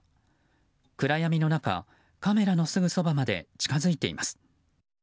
暗闇の中、カメラのすぐそばまで近づいています。